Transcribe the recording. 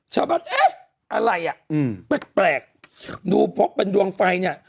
ชาวบ้านเอ๊ะอะไรอ่ะแปลกดูพบเป็นดวงไฟเนี่ย